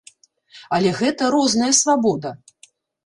Але гэта розная свабода.